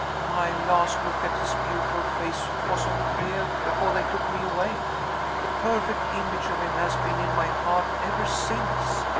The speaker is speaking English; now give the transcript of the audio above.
My last look at his beautiful face was on the pier, before they took me away. The perfect image of him has been in my heart ever since.